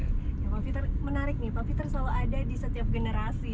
ya pak peter menarik nih pak peter selalu ada di setiap generasi